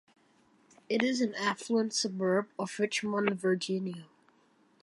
It is an affluent suburb of Richmond, Virginia.